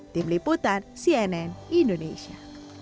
tim liputan cnn indonesia